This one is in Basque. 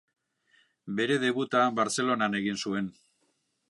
Bere debuta Bartzelonan egin zuen.